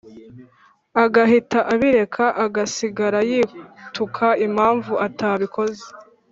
agahita abireka agasigara yituka impamvu atabikoze.